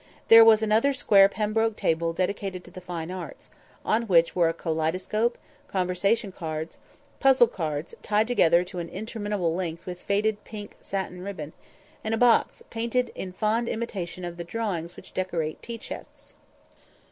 There was another square Pembroke table dedicated to the Fine Arts, on which were a kaleidoscope, conversation cards, puzzle cards (tied together to an interminable length with faded pink satin ribbon), and a box painted in fond imitation of the drawings which decorate tea chests.